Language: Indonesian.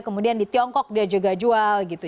kemudian di tiongkok dia juga jual gitu